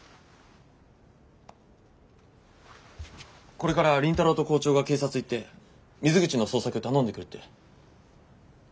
これから倫太郎と校長が警察行って水口の捜索頼んでくるって。